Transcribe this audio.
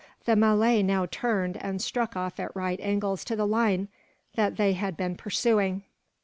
The Malay now turned, and struck off at right angles to the line that they had been pursuing.